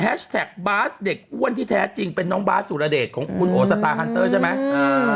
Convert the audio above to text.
บาสเด็กอ้วนที่แท้จริงเป็นน้องบาสสุรเดชของคุณโอสตาร์ฮันเตอร์ใช่ไหม